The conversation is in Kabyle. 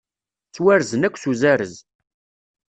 Ttwarzen akk s uzarez.